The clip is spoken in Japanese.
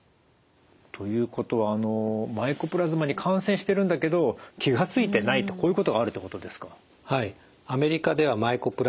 ということはマイコプラズマに感染してるんだけど気が付いてないとこういうことがあるってことですか？